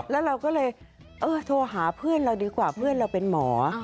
แล้วเราก็เลยเออโทรหาเพื่อนเราดีกว่าเพื่อนเราเป็นหมอ